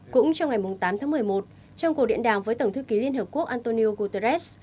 cũng trong ngày tám tháng một mươi một trong cuộc điện đàm với tổng thư ký liên hợp quốc antonio guterres